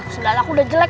sendal aku udah jelek